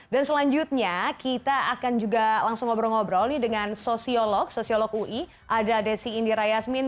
dan selanjutnya kita akan juga langsung ngobrol ngobrol dengan sosiolog sosiolog ui ada desi indira yasmin